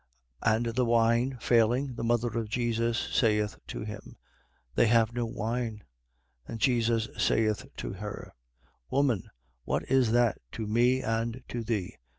2:3. And the wine failing, the mother of Jesus saith to him: They have no wine. 2:4. And Jesus saith to her: Woman, what is that to me and to thee?